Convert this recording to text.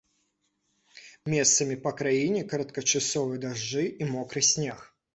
Месцамі па краіне кароткачасовыя дажджы і мокры снег.